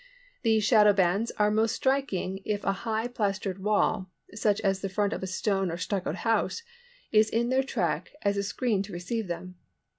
These shadow bands are most striking if a high plastered wall, such as the front of a stone or stuccoed house, is in their track as a screen to receive them.